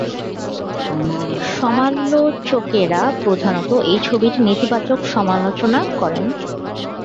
সমালোচকেরা প্রধানত এই ছবিটির নেতিবাচক সমালোচনা করেন।